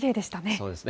そうですね。